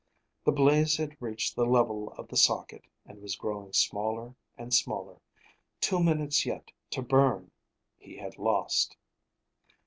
The blaze had reached the level of the socket, and was growing smaller and smaller. Two minutes yet to burn! He had lost.